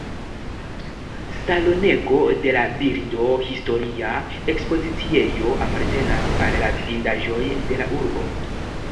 Salonego de la birdo, historia ekspoziciejo, apartenas al la vidindaĵoj de la urbo.